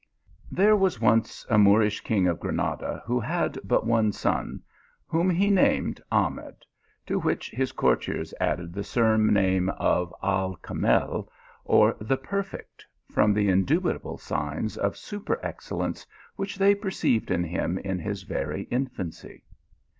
THERE was once a Moorish King of Granada who had but one son, whom he named Ahmed, to which hMfccourtiers added the surname of al Kamel, or the perfect, from the indubitable signs of super excel lence which they perceived in him in his very infancy.